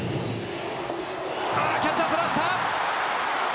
キャッチャーそらした！